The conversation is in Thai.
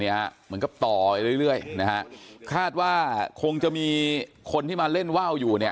เหมือนกับต่อไปเรื่อยนะฮะคาดว่าคงจะมีคนที่มาเล่นว่าวอยู่เนี่ย